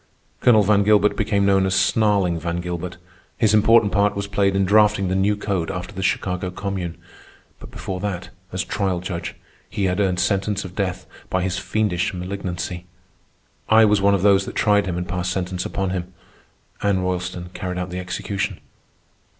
Colonel Van Gilbert became known as "Snarling" Van Gilbert. His important part was played in drafting the new code after the Chicago Commune. But before that, as trial judge, he had earned sentence of death by his fiendish malignancy. I was one of those that tried him and passed sentence upon him. Anna Roylston carried out the execution.